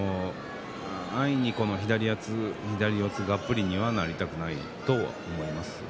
安易に左四つがっぷりにはなりたくないと思います。